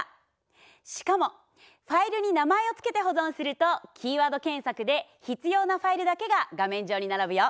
しかもファイルに名前を付けて保存するとキーワード検索で必要なファイルだけが画面上に並ぶよ。